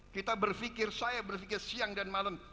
kita berpikir saya berpikir siang dan malam